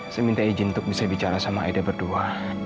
saya minta izin untuk bisa bicara sama aida berdua